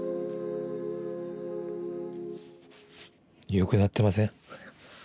よくなってません？